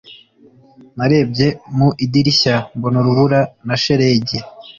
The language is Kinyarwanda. narebye mu idirishya mbona urubura na shelegi